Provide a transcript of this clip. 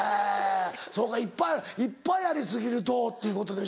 そうかいっぱいあり過ぎるとっていうことでしょ。